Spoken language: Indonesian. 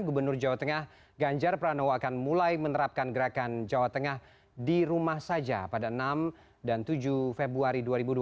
gubernur jawa tengah ganjar pranowo akan mulai menerapkan gerakan jawa tengah di rumah saja pada enam dan tujuh februari dua ribu dua puluh satu